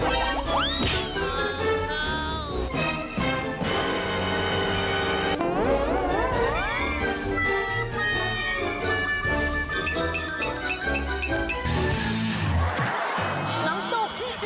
น้องตุ๊ก